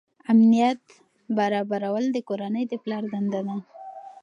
امنیت برابروي د کورنۍ د پلار دنده ده.